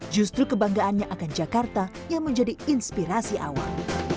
justru kebanggaannya akan jakarta yang menjadi inspirasi awal